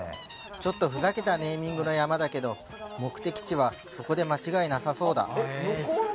ちょっとふざけたネーミングの山だけど目的地はそこで間違いなさそうだ